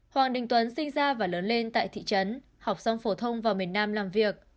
hoàng đình tuấn sinh ra và lớn lên tại thị trấn học xong phổ thông vào miền nam làm việc